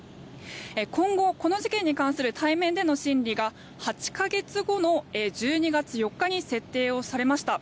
今後、この事件に関する対面での審理が８か月後の１２月４日に設定されました。